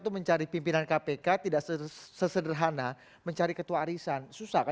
mengaku pakai deterima